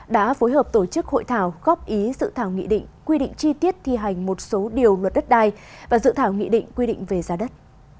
đã phối hợp tổ chức hội thảo góp ý sự thảo nghị định quy định chi tiết thi hành một số điều luật đất đai và dự thảo nghị định quy định về giá đất